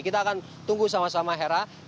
kita akan tunggu sama sama hera